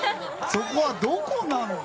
そこは、どこなの？